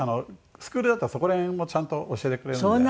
スクールだとそこら辺もちゃんと教えてくれるんで。